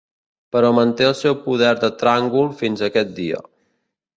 Però manté el seu poder de tràngol fins aquest dia.